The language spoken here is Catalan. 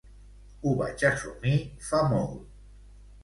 Ho vaig assumir fa molt.